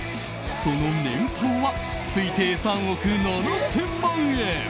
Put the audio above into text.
その年俸は推定３億７０００万円。